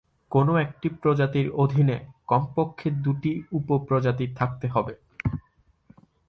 কোন একটি প্রজাতির অধীনে কমপক্ষে দু'টি উপপ্রজাতি থাকতে হবে।